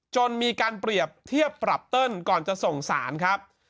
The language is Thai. จนมีการเปรียบเทียบปรับเติ้ลก่อนจะส่งสารครับ